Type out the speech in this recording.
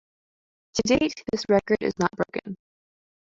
To date, this record is not broken.